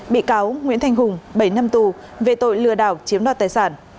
bị cáo nguyễn thanh hùng bảy năm tù về tội lừa đảo chiếm đoạt tài sản